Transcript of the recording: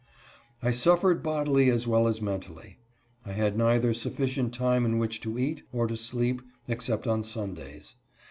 J suffered bodily as well as mentally. I had neither sufficient time in which to eat, or to sleep, except on Sundays.